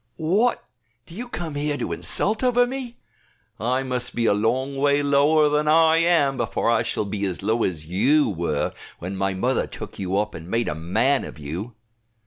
"What, do you come here to insult over me? I must be a long way lower than I am, before I shall be as low as you were when my mother took you up and made a man of you."